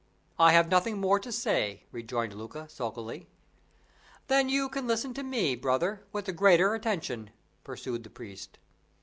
"I have nothing more to say," rejoined Luca, sulkily. "Then you can listen to me, brother, with the greater attention," pursued the priest.